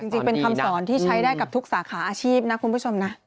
จริงเป็นคำสอนที่ใช้ได้กับทุกสาขาอาชีพนะคุณผู้ชมนะ